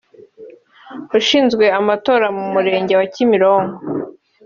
ushinzwe amatora mu murenge wa Kimironko